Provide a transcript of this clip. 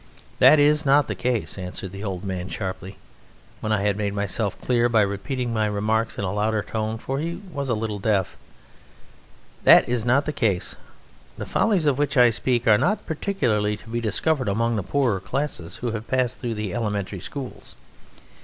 "That is not the case," answered the old man sharply, when I had made myself clear by repeating my remarks in a louder tone, for he was a little deaf. "That is not the case. The follies of which I speak are not particularly to be discovered among the poorer classes who have passed through the elementary schools.